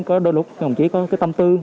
có đôi lúc đồng chí có tâm tư